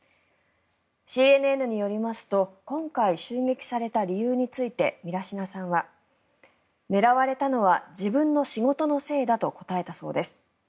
ＣＮＮによりますと今回襲撃された理由についてミラシナさんは狙われたのは自分の仕事のせいだと答えたそうです。